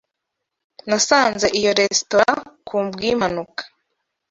Nasanze iyo resitora ku bw'impanuka.